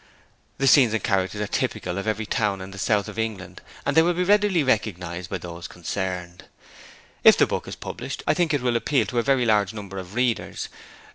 The scenes and characters are typical of every town in the South of England and they will be readily recognized by those concerned. If the book is published I think it will appeal to a very large number of readers.